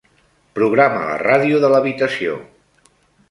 Programa la ràdio de l'habitació.